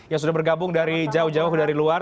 yang sudah bergabung dari jauh jauh dari luar